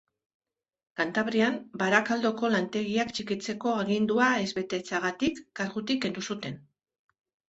Kantabrian, Barakaldoko lantegiak txikitzeko agindua ez betetzeagatik, kargutik kendu zuten.